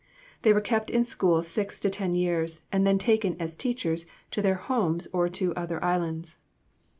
They were kept in the school six to ten years, and then taken, as teachers, to their homes or to other islands.